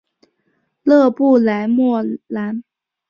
勒布莱莫兰。